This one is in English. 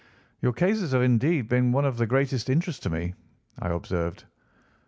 "Your cases have indeed been of the greatest interest to me," I observed.